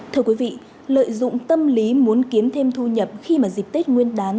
thưa quý vị lợi dụng tâm lý muốn kiếm thêm thu nhập khi mà dịp tết nguyên đán